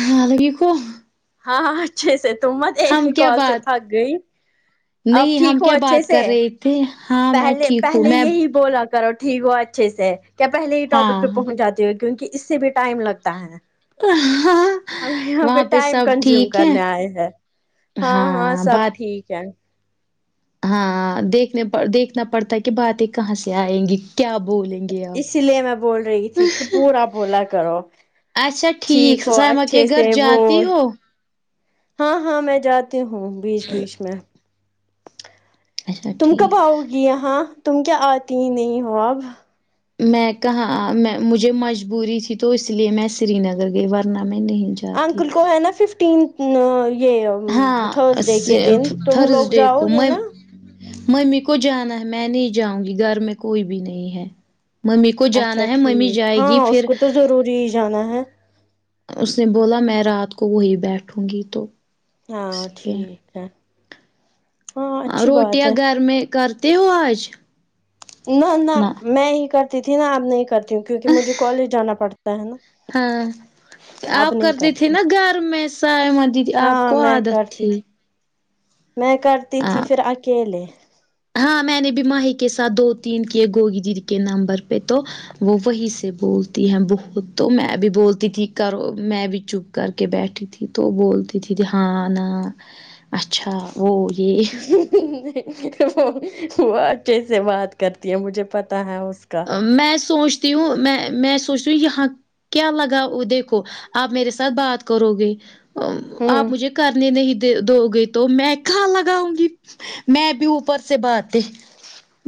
السلام علیکم ہاں اچھے سے تو مت ایک ہم ہی کیا کال سے بات تھک گئی اب ٹھیک ہو اچھے سے اتی ہاں میں پہلے ٹھیک ہوں پہلے میں یہی بولا کرو ٹھیک ہو اچھے سے کیا پہلے ہی ٹاپک ہاں پہ پہنچ جاتی ہو کیونکہ اس سے بھی ٹائم لگتا ہے ا ہاں ہم یہاں پہ وہاں ٹائم سب کنزیوم ٹھیک ہے کرنے آئے ہیں ہاں ہاں سب ٹھیک ہے ہاں دیکھنے دیکھنا پڑتا ہے کہ باتیں کہاں سے آئیں گی کیا بولے اسی لیے میں بول رہی تھی تو پورا بولا کرو اچھا ٹھیک ہو سائمہ کے اچھے سے گھر وہ جاتی ہو ہاں ہاں میں جاتی ہوں بیچ بیچ میں اچھا تم کب ٹھیک آؤ گی یہاں تم کیا آتی ہی نہیں ہو اب میں کہاں میں مجھے مجبوری تھی تو اس لیے میں سری نگر گئی ورنہ میں نہیں جا انکل کو ہے نا ففٹین یہ ہاں تھرس ڈے کے دن تم لوگ تھرسڈے جاؤ کو گے میں نا ممی کو جانا ہے میں نہیں جاؤں گی گھر میں کوئی بھی نہیں ہے ممی کو اچھا جانا ہے ممی ٹھیک جائے گی ہاں اس پھر کو تو ضروری جانا ہے اس نے بولا میں رات کو وہی بیٹھوں گی تو ہاں اس ٹھیک لیے ہے ہاں اچھی بات روٹیاں ہے گھر میں کرتے ہو آج نہ نہ میں ہی کرتی تھی نا اب نہیں کرتی ہوں کیونکہ مجھے کالج جانا پڑتا ہے نا ہاں آپ اب نہیں کرتے تھے کرتی نا گھر میں سائمہ دیدی آپ کو ہاں میں عادت کرتی تھی میں کرتی ہاں تھی پھر اکیلے ہاں میں نے بھی ماہی کے ساتھ دو تین کیے گوگی دی کے نمبر پہ تو وہ وہی سے بولتی ہیں بہت تو میں بھی بولتی تھی کرو میں بھی چپ کر کے بیٹھی تھی تو بولتی تھی ہاں ن اچھا وہ یہ وہ اچھے سے بات کرتی ہے مجھے پتا ہے اس کا میں سوچتی ہوں میں میں سوچتی ہوں یہاں کیا لگا دیکھو آپ میرے ساتھ بات کرو گے آپ ہوں مجھے کرنے نہیں دو گئی تو میں کاں لگاؤں گی میں بھی اوپر سے باتیں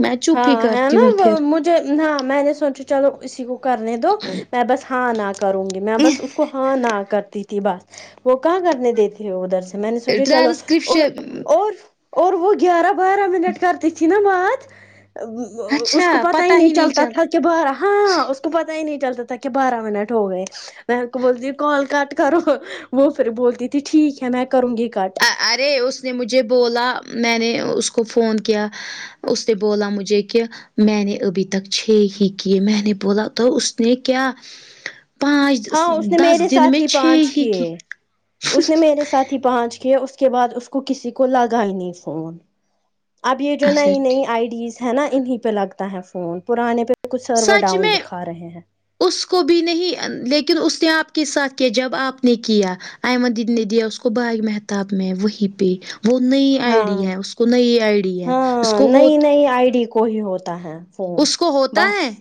میں چپکے کرتی ہوں پھر نہ میں نے سوچا چلو اسی کو کرنے دو میں بس ہاں نہ کروں گی میں بس اس کو ہاں نہ کرتی تھی بس وہ کہاں کرنے دیتے ادھر سے میں نے سوچا چلو اور ٹرانسکرپشن اور اور وہ گیارہ بارہ منٹ کر تئ تھی نا باتھ اس کو پتا ہی نہیں چلتا تھا کہ بارہ ہاں اس کو پتا ہی نہیں چلتا تھا کہ بارہ منٹ ہو گئے میں اںکو بولتی کال کٹ کرو وہ پھر بولتی تھی ٹھیک ہے میں کروں گی کٹ ا- ارے اس نے مجھے بولا میں نے اس کو فون کیا اس نے بولا مجھے کہ میں نے ابھی تک چھ ہی کیے میں نے بولا تو اس نے کیا پانچ ہاں اس نے دس میرے دن ساتھ میں ہی چھ پانچ ہی کیے کی اس نے میرے ساتھ پانچ کے اس کے بعد اس کو کسی کو لگائی نہیں فون اب یہ جو اچھا نئی ٹھیک نئی آئی ڈیز ہے نا انہیں پہ لگتا ہے فون پرانے پہ تو کچھ سرور سچ ڈاؤن میں دکھا رہے ہیں اس کو بھی نہیں لیکن اس نے آپ کے ساتھ کیا جب آپ نے کیا آمن دیدی نے دیا اس کو باغ محتاب میں وہی پہ وہ نئی آئی ڈی ہاں ہے اس کو نئی آئی ڈی ہے اس ہاں کو نئی ہوت آئی ڈی کو کو ہی ہوتا ہے فون کو ہوتا بس ہے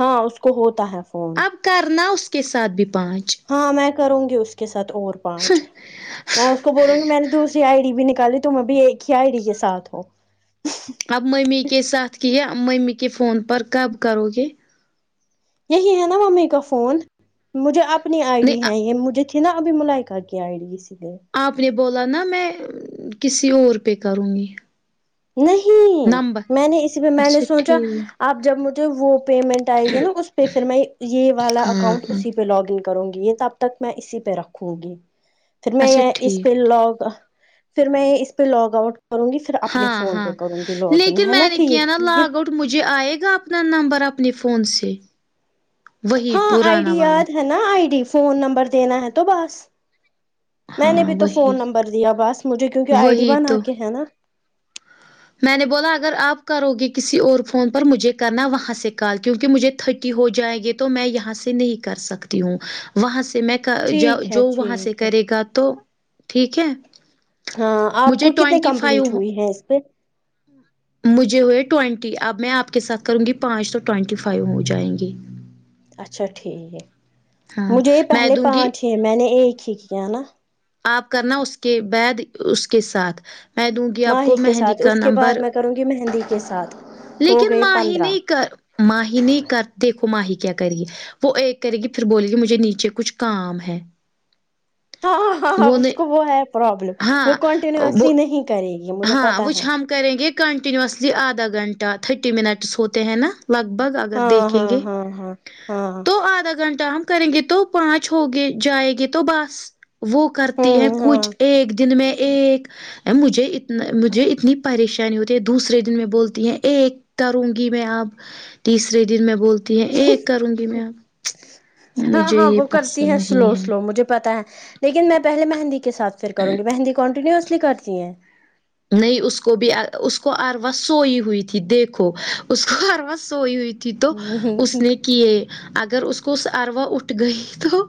ہاں اس کو ہوتا ہے فون اب کرنا اس کے ساتھ بھی پانچ ہاں میں کروں گی اس کے ساتھ اور پانچ میں اس کو بولوں گی میں نے دوسری آئی ڈی بھی نکالی تم ابھی ایک ہی ائی ڈی کے ساتھ ہو [unintelligible] اب ممی کے ساتھ کیا ممی کے فون پر کب کرو گے یہی ہے نا ممی کا فون مجھے اپنی آئی ڈی نہیں ہے یہ مجھے تھی نہ ابھی ملائک کیا آئی ڈی سے کرے آپ نے بولا نا میں کسی اور پے کروں گی نہیں نمبر میں نے اسی پ میں نے اچھا سوچا ٹھیک آپ جب مجھے وہ پیمنٹ آئے گی نا اس پہ پھر میں یہ والا ہاں اکاؤنٹ ہاں اسی پہ لاگ ان کروں گی یہ تب تک میں اسی پہ رکھوں گی پھر میں اچھا یہ اس ٹھیک پہ لاگ پھر میں اس پہ لاگ آؤٹ کروں گی پھر اپنے فون ہاں ہاں پہ کروں گی لاگ ان لیکن ہے نا میں نے کیا ہے نا ٹھیک لاگ آؤٹ تو مجھے آئے گا اپنا نمبر اپنے فون سے وہی ہاں آئی پرانا ڈی والا یاد ہے نا آئی ڈی فون نمبر دینا ہے تو بس میں نے ہاں بھی تو وہی فون نمبر دیا بس مجھے کیونکہ آئی ڈی وہی بنا تو کے ہے نا میں نے بولا اگر آپ کرو گے کسی اور فون پر مجھے کرنا وہاں سے کال کیونکہ مجھے تھرٹی ہو جائے گی تو میں یہاں سے نہیں کر سکتی ہوں وہاں سے میں کر کا ٹھیک ہے جو وہاں سے ٹھیک ہے کرے گا تو ٹھیک ہے ہاں آپ مجھے کو کتنے ٹوینٹی فائیو کمپلیٹ ہوئی ہے اس پہ مجھے وہ ہے ٹوئنٹی اب میں آپ کے ساتھ کروں گی پانچ تو ٹوئینٹی فائیو ہو جائیں گی اچھا ٹھیک ہے ہاں مجھے یہ میں پہلے دوں گی پانچ ہی ہیں میں نے ایک ہی کیا نا آپ کرنا اس کے بعد اس کے ساتھ میں دوں گی آپ ماہی کو کے مہندی ساتھ کا اس کے نمبر بعد میں کروں گی مہندی کے ساتھ ہو لیکن گئے ماہی پندرہ نہیں کر ماہی نہیں کر دیکھو ماہی کیا کر ر ہی یے وہ ایک کرے گی پھر بولے گی مجھے نیچے کچھ کام ہے ہاں ںاں ہاں ہاں اس کو وہ ہے پرابلم وہ ہاں کنٹینیوسلی وہ نہیں کرے گی مجھے ہاں پتا ہے وہچھ ہم کریں گے کنٹینوسلی آدھا گھنٹہ تھرٹی منٹس ہوتے ہیں نا لگ بھگ اگر ہاں دیکھیں ہاں گے ہاں ہاں ہاں تو آدھا گھنٹہ ہم کریں گے تو پانچ ہوگے جائے گے تو بس وہ کرتی ہیں ہوں ہاں کچھ ایک دن میں ایک مجھے ات مجھے اتنی پریشانی نہیں ہوتی دوسرے دن میں بولتی ہیں اک کروں گی میں آپ تیسرے دن میں بولتی تی ہے ایک کروں گی میں ہاں مجھے ہاں یہ وہ کرتی پسند ہے سلو نہیں سلو مجھے پتا ہے لیکن میں پہلے مہندی کے ساتھ پھر کروں گی مہندی کنٹینیوسلی کرتی ہیں نہیں اس کو بھی اس کو اروا سوئی ہوئی تھی دیکھو اس کو اروا سوئی ہوئی تھی تھی تو اس نے کیے اگر اس کو اروا اٹھ گئی تو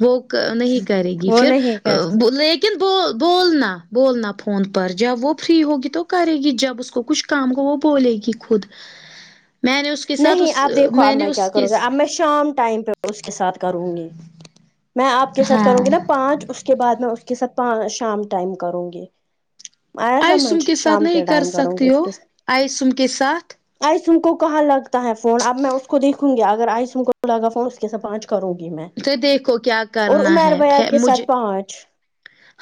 وہ نہیں کرے گی وہ پھر نہیں کر سک لیکن ب بولنا بولنا فون پر جب وہ فری ہوگی تو کرے گی جب اس کو کچھ کام کو وہ بولے گی خود میں نے اس کے ساتھ نہیں اس اب دیکھو اب نے میں اس کیا کے کروں گا اب میں شام ٹائم پہ اس کے ساتھ کروں گی میں آپ کے ساتھ ہاں کروں گی نا پانچ اس اس کے بعد میں اس کے ساتھ شام ٹائم کروں گی آیا آئسم سمجھ ساتھ شام نہیں کے کر ٹائم کروں گی سکتی اس ہو کے آئسم کے ساتھ آئسم کو کہاں لگتا ہے فون اب میں اس کو دیکھوں گی اگر آئسم کو لگا فون اس کے ساتھ پانچ کروں گی میں تو دیکھو کیا اور کرنا عمیر ہے بھیا پھر کے مجھے ساتھ پانچ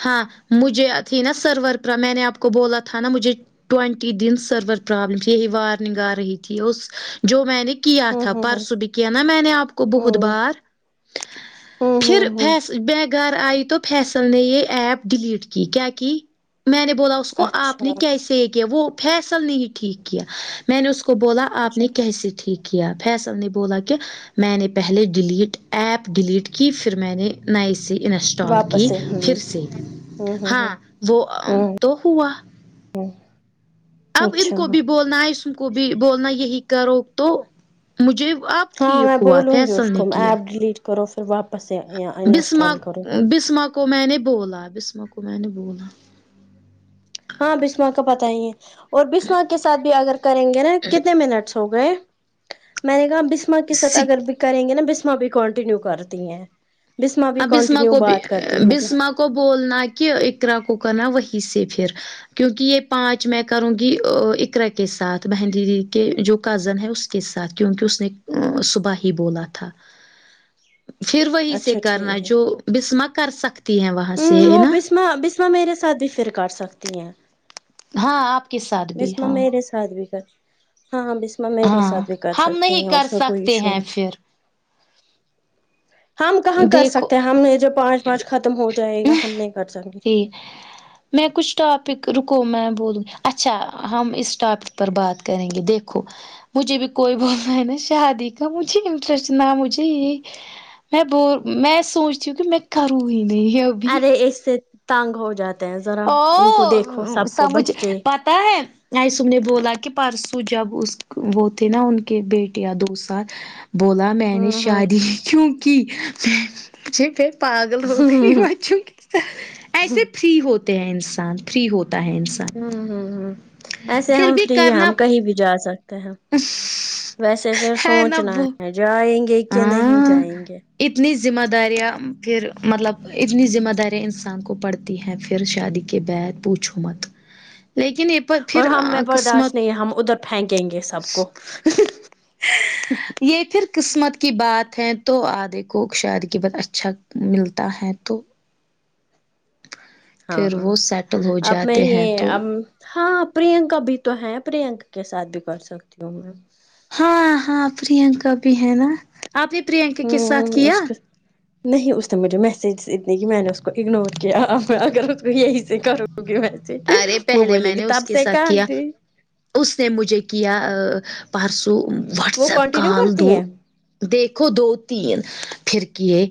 ہاں مجھے ا تھی نا سرور پر میں نے آپ کو بولا تھا نا مجھے ٹئونٹی دن سرور پررابلم تھی یہ وارننگ آ رہی تھی اس جو میں نے کیا ہوں تھا ہوں پرسوں بھی کیا نا میں نے آپ کو بہت ہوں ہوں بار ہوں پھر ہوں ہوں بھیس میں گھر آئی تو فیصل نے یہ ایپ ڈیلیٹ کی کیا کی میں نے بولا کو آپ نے اچھا کیسے کیا وہ فیصل ہی نے ٹھیک کیا میں نے اس کو بولا آپ اچھا نے کیسے ٹھیک کیا فیصل نے بولا کہ میں نے پہلے ڈیلیٹ ایپ ڈیلیٹ کی پھر میں نے نئی اسی انسٹال واپس کی سے پھر ہوں سے ہوں ہوں ہاں ہوں وہ تو ہوا ہوں اب ان اچھا کو بھی بولنا ہے ائسن کو بھی بولنا یہی کرو تو مجھے اب ہاں میں ٹھیک ہوا بولوں گی اس فیصل نے کو کیا ایپ ڈیلیٹ کرو پھر واپس بسما انسٹال کرو بسما کو میں نے بولا بسما کو میں نے بولا ہاں بسما کا پتاہ ہی ہے اور بسما تو سات بھی اگر کریں گے نا کتنے منٹس ہو گئے میں نے کہا بسما کے ساتھ اگر سک بھی کریں گے نا بسما سما بھی کانٹینیو کرتی ہیں بسما بھی ہاں بسما کنٹینیو کو بھی بات کرتی ہیں مطلب بسما کو بولنا کہ اقرا کو کرنا وہیں سے پھر کیونکہ یہ پانچ میں کروں گی ا اکرا کے ساتھ بہن دی کے جو کزن ہے اس کے ساتھ کیونکہ اس نے صبح ہی بولا تھا پھر وہی سے اچھا کرنا ٹھیک ہے جو بسما کر سکتی ہیں وہاں سے ہے نا مہ بسما میرے ساتھ بھی فر کر سکتی ہیں ہاں آپ کے ساتھ بھی بسما ہاں میرے ساتھ بھی کر تی ہاں ہاں بسما میرے ہاں ساتھ بھی کر ہم سکتے نہیں ہیں اس کر میں کوئی سکتے ایشو ہیں نہیں پھر ہم کہاں کر دیکھو سکتے ہیں ہم یہ جو پانچ پانچ ختم ہو جائے گا ہم نہیں کر سک گے جی میں کچھ ٹاپک رکو میں بولوں اچھا ہم اس ٹاپک پر بات کریں گے دیکھو مجھے بھی کوئی بولنا ہے نا شادی کا مجھے انٹرسٹ نہ مجھے میں بو میں سوچتی ہوں کہ میں کروں ہی نہیں اب ارے اس سے تانگ ہو جاتے ہیں ذرا ان کو دیکھو سب کو بچے تاحب نیس سم نے بولا کہ پرسو جب اس وہ تھے نا ان کے بیٹیا دو سال بولا میں نے ہوں ہوں شادی کیوکی میں مجھے پھر پاگل ہو گئی مچوں ایسے فری ہوتے ہیں انسان فری ہوتا ہے انسان ہم ہم ایسے پھر ہم بھی فری ہیں کرنا ہم کہیں بھی جا سکتے ہیں ویسے پھر ہے نا سوچنا وہ ہے جائیں گے کہ نہیں ہاں جائیں گے اتنی ذمہ داریاں پھر مطلب اتنی ذمہ داریاں انسان کو پڑھت تی ہے پھر شادی کے بعد پوچھو مت لیکن یہ پھر اور ہم میں برداشت قسمت نہیں ہم ادھر پھینکیے گے سب کو یہ پھر قسمت کی بات ہے تو ادھے کو شید کی بات اچھا ملتا ہے تو پھر ہاں ہاں وہ سیٹل ہو اب میں جاتے ہیں یہ تو اب ہاں پرینکا بھی تو ہے پرینکا کے ساتھ بھی کر سکتی ہوں میں ہاں ہاں پرینکا بھی ہے نا اپ نے پرینکا کے ساتھ ہوں کیا اس کے نہیں اس نے مجھے میسج اتنے کئ میں نے اس کو اگنور کیا میں اگر تو یہی سے کرو گی و سے کی ارے پہلے بولے میں گی نے تب اس کے سے ساتھ کہا کیا تھی اس نہ مجھے کیا پرسوں وہ واٹسایپ کنٹینیو کال کرتی دو ہے دیکھو دو تین پھر کیے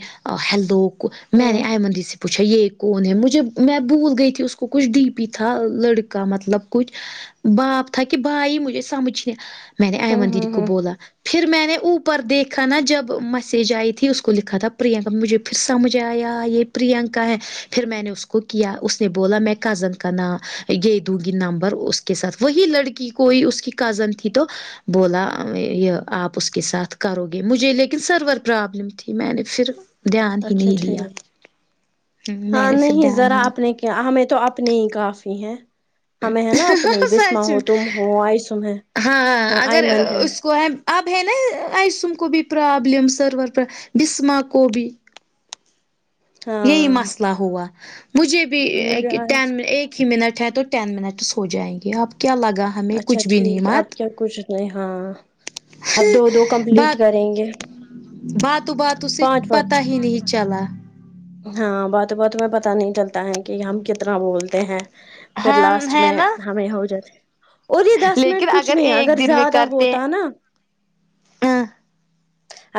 ہیلو میں نے ہوں ایماند ی سے پوچھا یہ کون ہے مجھے میں بھول گئی تھی اس کو کچھ ڈی بھی تھا لڑکا مطلب کچھ باپ تھا کہ بھائی مجھے سمجھنے میں نے ہوں ایمن دیدی ہوں کو ہوں بولا پھر میں نے اوپر دیکھا نا جب میسج ائی تھی اس کو لکھا تھا پرینکا مجھے پھر سمجھ ایا یہ پرینکا ہے پھر میں نے اس کو کیا اس نے بولا میں کزن کا نام یہے دوں گی نمبر اس کے ساتھ وہی لڑکی کوئی اس کی کزن تھی تو بولا یہ اپ اس کے ساتھ کرو گے مجھے لیکن سرور پرابلم تھی میں نے پھر دھیان ہی اچھا نہیں دیا ٹھیک میں ہاں نے پھر نہیں ذرا دھیان اپنے کیا ہمیں تو اپنے ہی کافی ہیں ہمیں ہے نا اپنی بسم ہو تم ہو ائی سمہیں ہاں ہاں اگر اس کو ہے آاب ہے نہ ائیسوم کوبھی پرابلم سرور پر ڈسمہ کوبھی یہی ہاں مسئلہ ہوا مجھے بھی مجھے ایک ٹائم ایک ہی منٹ ہے تو ٹین منٹس ہو جائیں گے اب کیا لگا ہمیں اچھا کچھ بھی نہیں ٹھیک اب مات کیا کچھ نہیں ہاں اب دو دو کمپلیٹ بات کریں گے باتوں باتوں سے پانچ پانچ پتا ہی نہیں چلا ہاں باتو باتو میں پتا نہیں چلتا ہے کہ ہم کتنا بولتے ہیں پھر ہاں لاسٹ ہے میں نا ہمیں ہو جاتی اور یہ دس منٹ لیکن کچھ نہیں ایک اگر دن میں زیادہ کرتے ہوتا نا ا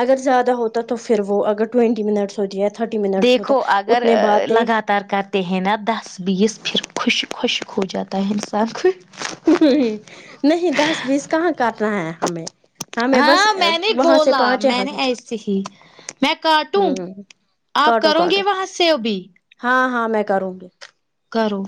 اگر زیادہ ہوتا تو پھر وہ اگر ٹوینٹی منٹس ہوتی تھرٹی منٹ کہو اگر لگا طار کرتے ہیں نا دس بیس پھر خوشک خوشک ہو جاتا ہے انسان خوش ہم نہیں دس بیس کہاں کرنہ ہے ہمیں ہمیں بس ہاں میں نے وہاں سے بولا پانچ میں یہاں نے سے ایسے ہی میں کاٹوں ہ اپ کاٹو کرو گی کاٹو وہاں سےابھی ہاں ہاں میں کروں گی کرو